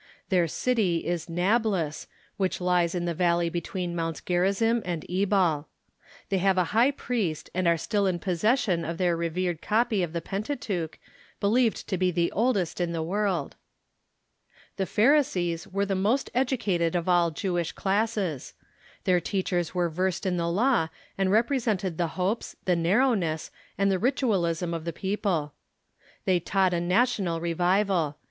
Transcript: Their city is Nablus, which lies in the valley between Mounts Gerizim and Ebal. They have a high priest, and are still in possession of their revered copy of the Pentateuch, believed to be the oldest in the world. The Pharisees were the most educated of all Jewish classes. Their teachers were versed iu the law, and represented the hopes, the narrowness, and the ritualism of the peo "'''Bodief'*' P'^ They taught a national revival.